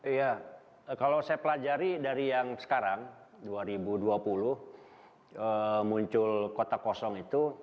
iya kalau saya pelajari dari yang sekarang dua ribu dua puluh muncul kota kosong itu